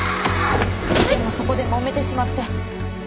でもそこでもめてしまって。